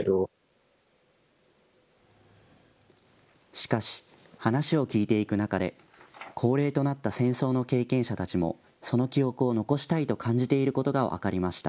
しかし、話を聞いていく中で高齢となった戦争の経験者たちもその記憶を残したいと感じていることが分かりました。